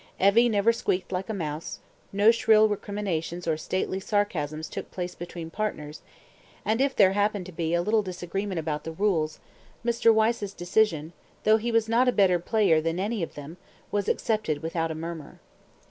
Evie never squeaked like a mouse, no shrill recriminations or stately sarcasms took place between partners, and if there happened to be a little disagreement about the rules, Mr. Wyse's decision, though he was not a better player than any of them, was accepted without a murmur.